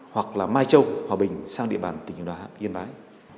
hoặc là mai châu hòa bình sang địa bàn tỉnh yên bái